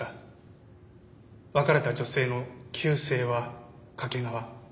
別れた女性の旧姓は「掛川」。